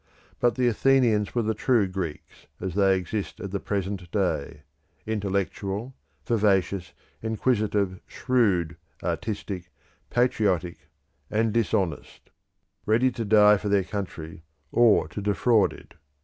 But the Athenians were the true Greeks, as they exist at the present day; intellectual, vivacious, inquisitive, shrewd, artistic, patriotic, and dishonest; ready to die for their country, or to defraud it.